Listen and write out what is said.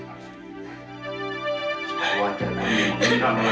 semoga jatuhnya tidak lagi menjadi perusahaan yang mengerikan diri kamu